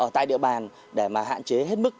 tại địa bàn để hạn chế hết mức